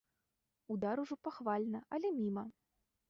Удар ужо пахвальна, але міма.